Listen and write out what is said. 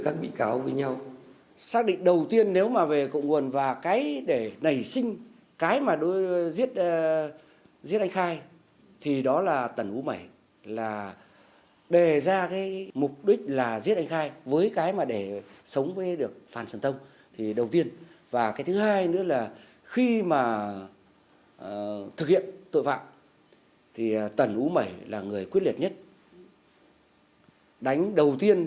các bạn hãy đăng kí cho kênh lalaschool để không bỏ lỡ những video hấp dẫn